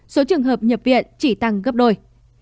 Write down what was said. số trường hợp nhập viện chỉ tăng gấp đôi